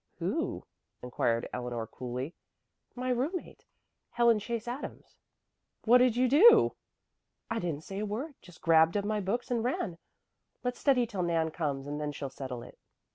"Who?" inquired Eleanor coolly. "My roommate Helen Chase Adams." "What did you do?" "I didn't say a word just grabbed up my books and ran. Let's study till Nan comes and then she'll settle it."